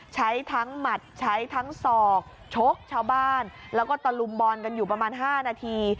ใช้ทั้งหมัดใช้ทั้งศอกชกชาวบ้านแล้วก็ตะลุมบอลกันอยู่ประมาณ๕นาที